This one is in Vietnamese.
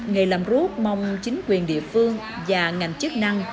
nghề làm rút mong chính quyền địa phương và ngành chức năng